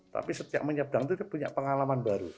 tapi setiap menyeberang itu punya pengalaman baru